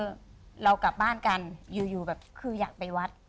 คือเรากลับบ้านกันอยู่แบบคืออยากไปวัด